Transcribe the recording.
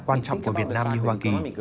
quan trọng của việt nam như hoa kỳ